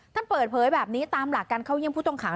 ท่านเปิดเผยแบบนี้ตามหลักการเข้าเยี่ยมผู้ต้องขัง